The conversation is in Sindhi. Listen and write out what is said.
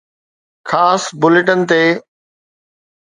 خاص بليٽن تي